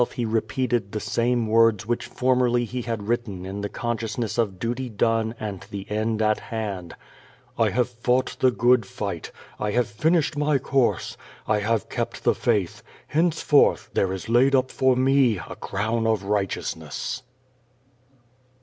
497 he repeated the same words which formerly he had written in the consciousness of duty done and the end at hand: "I have fought the good fight; I have finished my course; I liave kept the faith; henceforth there is laid up for me a crown of righteousness."